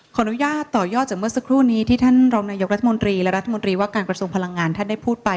ขออนุญาตต่อยอดจากเมื่อสักครู่นี้ที่ท่านรองนายกรัฐมนตรีและรัฐมนตรีว่าการกระทรวงพลังงานท่านได้พูดไป